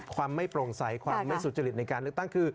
ความไม่โปร่งใสความไม่สุจริตในการเลือกตั้งคือ